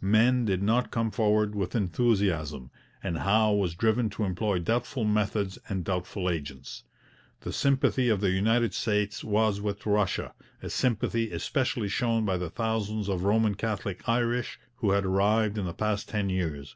Men did not come forward with enthusiasm, and Howe was driven to employ doubtful methods and doubtful agents. The sympathy of the United States was with Russia, a sympathy especially shown by the thousands of Roman Catholic Irish who had arrived in the past ten years.